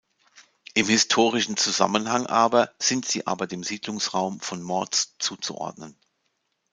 Im historischen Zusammenhang aber sind sie aber dem Siedlungsraum von Morzg zuzuordnen.